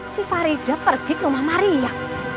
si farida pergi ke rumah maria